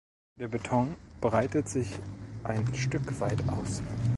Der Beton breitet sich ein Stück weit aus.